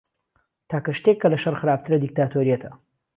تاکه شتێک که له شهڕ خراپتره دیکتاتۆریهته